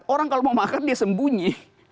karena kalau mau makar dia sembunyi